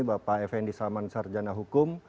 bapak effendi salman sarjana hukum